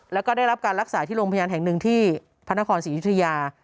แล้วก็ได้รับการรักษาที่โรงพยาบาลแห่งหนึ่งที่พระนครศรียุธยา